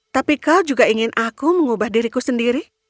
tapi kau juga ingin aku mengubah diriku sendiri